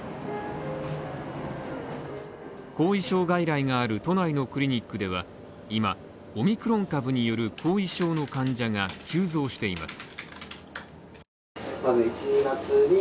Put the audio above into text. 後遺症外来がある都内のクリニックでは今、オミクロン株による後遺症の患者が急増しています。